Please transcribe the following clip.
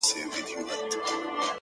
را ژوندی سوی يم اساس يمه احساس يمه